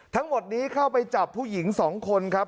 ทั้งหมดนี้เข้าไปจับผู้หญิง๒คนครับ